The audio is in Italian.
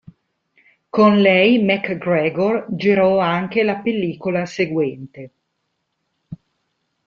Con lei, MacGregor girò anche la pellicola seguente.